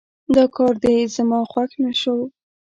دا کار دې زما خوښ نه شو